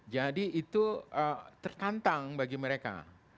jadi itu tertantang bagi mereka